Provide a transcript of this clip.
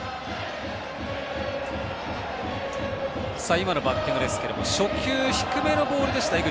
今のバッティングですが初球、低めのボールでした。